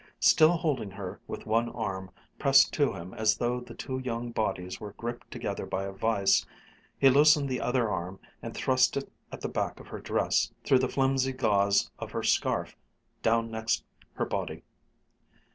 Still holding her with one arm, pressed to him as though the two young bodies were gripped together by a vice, he loosened the other arm and thrust it at the back of her dress, through the flimsy gauze of her scarf, down next her body.